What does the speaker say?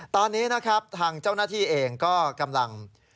ตอนนี้นะครับทางเจ้าหน้าที่เองก็กำลัง